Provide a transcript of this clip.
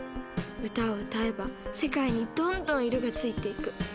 歌を歌えば世界にどんどん色がついていく。